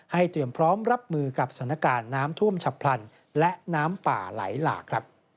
เตรียมพร้อมรับมือกับสถานการณ์น้ำท่วมฉับพลันและน้ำป่าไหลหลากครับ